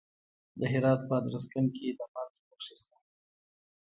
د هرات په ادرسکن کې د مالګې نښې شته.